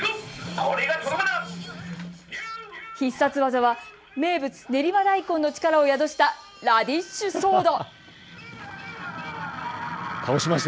必殺技は名物、練馬大根の力を宿したラディッシュソード。